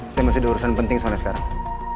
saya masih diurusan penting soalnya sekarang